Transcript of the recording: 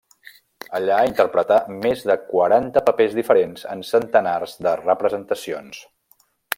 Allà interpretà més de quaranta papers diferents en centenars de representacions.